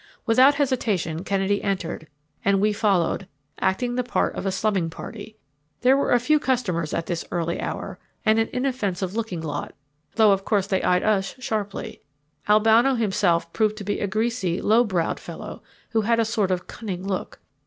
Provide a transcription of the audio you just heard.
Without hesitation Kennedy entered, and we followed, acting the part of a slumming party. There were a few customers at this early hour, men out of employment and an inoffensive looking lot, though of course they eyed us sharply. Albano himself proved to be a greasy, low browed fellow who had a sort of cunning look.